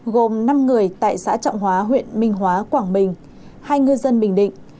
gồm năm người tại xã trọng hóa huyện minh hóa quảng bình hai ngư dân bình định